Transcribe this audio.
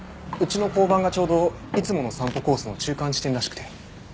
うちの交番がちょうどいつもの散歩コースの中間地点らしくて。